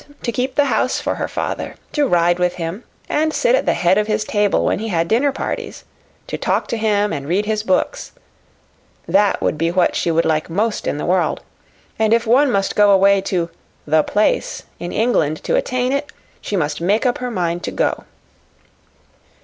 To keep the house for her father; to ride with him, and sit at the head of his table when he had dinner parties; to talk to him and read his books that would be what she would like most in the world, and if one must go away to "the place" in England to attain it, she must make up her mind to go.